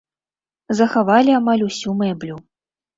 Захавалі амаль усю мэблю.